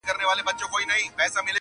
خوريی چي جوړوي، د ماما سر ورته کښېږدي.